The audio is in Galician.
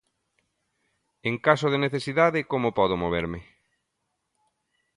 En caso de necesidade, como podo moverme?